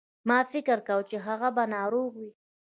ما فکر کاوه چې هغه به ناروغ وي.